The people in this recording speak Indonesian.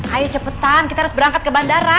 ayo cepatan kita harus berangkat ke bandara